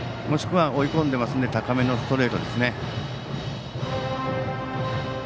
もしくは追い込んでますので高めのストレートです。